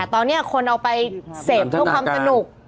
ตอนนี้คนเอาไปเสพเพื่อความสนุก